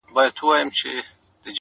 هغه مړ له مــسته واره دى لوېـدلى!!